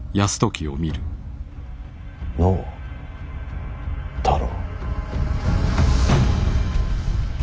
のう太郎。